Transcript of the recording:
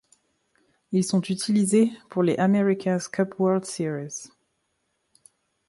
Ils sont utilisés pour les America's Cup World Series.